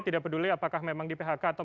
tidak peduli apakah memang di phk atau